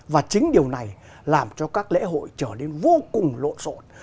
và chính điều này làm cho các lễ hội trở nên vô cùng lộn rộn